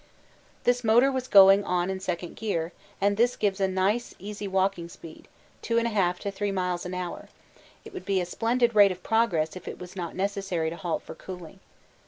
This motor was going on second gear, and this gives a nice easy walking speed, 2 1/2 to 3 miles an hour; it would be a splendid rate of progress if it was not necessary to halt for cooling.